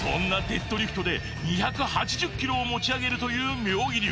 デッドリフトで２８０ｋｇを持ち上げるという妙義龍